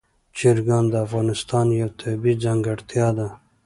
چرګان د افغانستان یوه طبیعي ځانګړتیا ده.